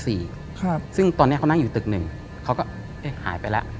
ซึ่งตอนนี้เขานั่งอยู่ตึก๑เขาก็หายไปแล้ว